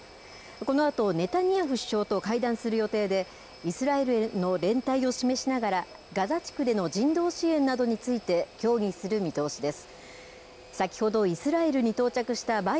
このあと、ネタニヤフ首相と会談する予定で、イスラエルへの連帯を示しながら、ガザ地区での人道支援などについて協議する見通しです。